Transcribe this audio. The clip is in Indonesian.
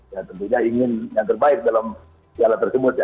dan tentunya ingin yang terbaik dalam piala tersebut ya